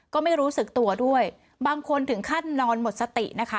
ก็ไม่รู้สึกตัวด้วยบางคนถึงขั้นนอนหมดสตินะคะ